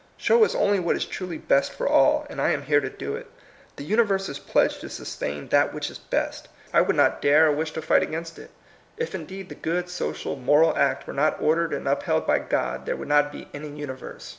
Show us only what is truly best for all, and I am here to do it. The universe is pledged to sustain that which is best. I would not THE MOTTO OF VICTORY. 179 dare or wish to fight against it. If indeed the good, social, moral act were not ordered and upheld by God, there would not be any universe.